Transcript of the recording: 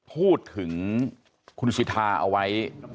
พูดถึงคุณสิทธาเอาไว้